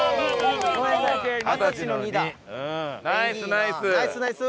ナイスナイス！